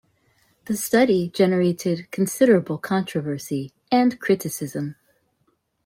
The study generated considerable controversy and criticism.